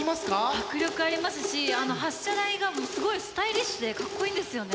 迫力ありますしあの発射台がすごいスタイリッシュでかっこいいんですよね。